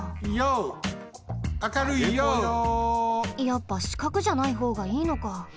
やっぱしかくじゃないほうがいいのか。